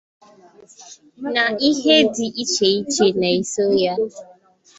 nà ihe dị iche iche na-eso ya